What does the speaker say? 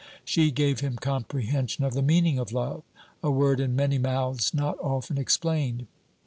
She gave him comprehension of the meaning of love: a word in many mouths, not often explained.